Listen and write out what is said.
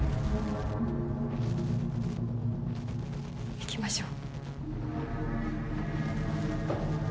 行きましょう。